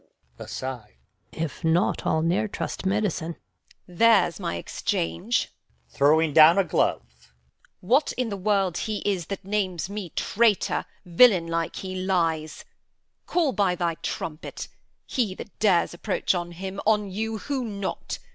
Gon. [aside] If not, I'll ne'er trust medicine. Edm. There's my exchange [throws down a glove]. What in the world he is That names me traitor, villain like he lies. Call by thy trumpet. He that dares approach, On him, on you, who not?